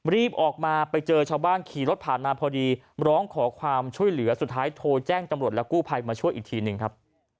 รีบออกมาไปเจอชาวบ้านขี่รถผ่านมาพอดีร้องขอความช่วยเหลือสุดท้ายโทรแจ้งตำรวจและกู้ภัยมาช่วยอีกทีหนึ่งครับ